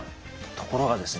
ところがですね